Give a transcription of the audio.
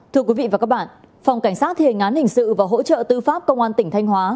thưa quý vị và các bạn phòng cảnh sát thiền án hình sự và hỗ trợ tư pháp công an tỉnh thanh hóa